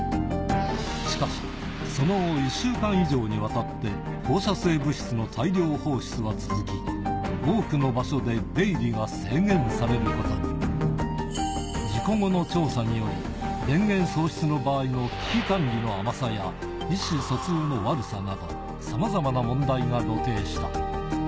しかしその後１週間以上にわたって放射性物質の大量放出は続き多くの場所で出入りが制限されることに。により電源喪失の場合の危機管理の甘さや。などさまざまな問題が露呈した。